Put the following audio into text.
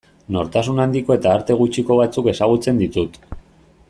Nortasun handiko eta arte gutxiko batzuk ezagutzen ditut.